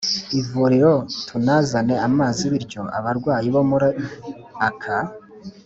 ivuriro tunazane amazi bityo abarwayi bo muri aka